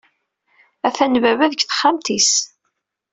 Atan baba deg texxamt-is.